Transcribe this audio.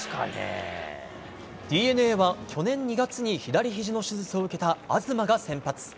ＤｅＮＡは去年２月に左ひじの手術を受けた東が先発。